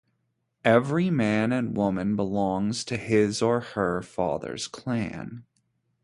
Every man and woman belongs to his or her father's clan.